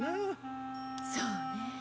そうね。